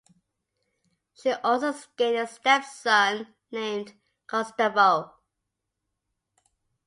She also gained a stepson named Gustavo.